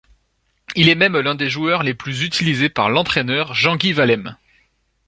Il est même l'un des joueurs les plus utilisés par l'entraîneur, Jean-Guy Wallemme.